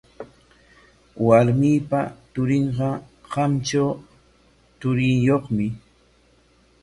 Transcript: Warmiipa turinqa qantris churiyuqmi.